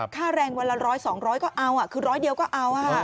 ค่าแรงวันละ๑๐๐๒๐๐ก็เอาคือร้อยเดียวก็เอา